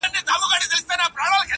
خلکو ویل چي دا پردي دي له پردو راغلي-